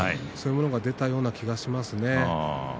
そういうものが出たような気がしますね。